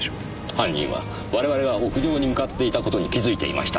犯人は我々が屋上に向かっていた事に気づいていました。